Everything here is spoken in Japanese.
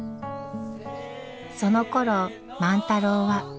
そのころ万太郎は。